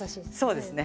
そうですね。